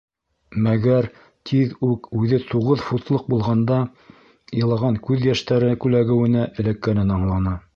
Мәгәр тиҙ үк үҙе туғыҙ футлыҡ булғанда илаған күҙ йәштәре күләүегенә эләккәнен аңланы.